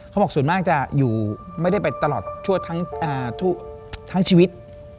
บอกส่วนมากจะอยู่ไม่ได้ไปตลอดทั้งชีวิต